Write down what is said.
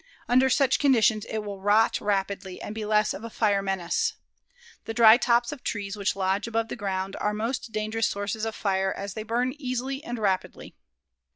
Under such conditions it will rot rapidly and be less of a fire menace. The dry tops of trees which lodge above the ground are most dangerous sources of fire as they burn easily and rapidly.